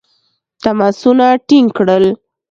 تماسونه ټینګ کړل.